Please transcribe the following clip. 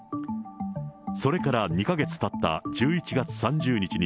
それから２か月たった１１月３０日に、